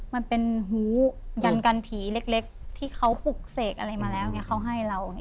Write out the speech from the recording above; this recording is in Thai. มันเป็นหูยันกันผีเล็กที่เขาปลุกเสกอะไรมาแล้วเขาให้เรา